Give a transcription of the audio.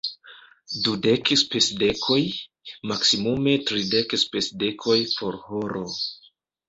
Dudek spesdekoj, maksimume tridek spesdekoj por horo.